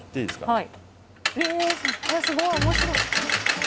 はい。